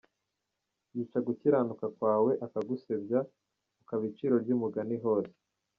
Yica gukiranuka kwawe, akagusebya, ukaba iciro ry’umugani hose.